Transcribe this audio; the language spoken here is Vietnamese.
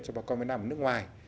cho bà con việt nam ở nước ngoài